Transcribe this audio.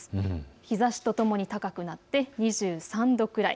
日ざしとともに高くなって２３度くらい。